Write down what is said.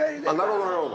なるほどなるほど。